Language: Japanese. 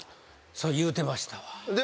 それ言うてましたわ。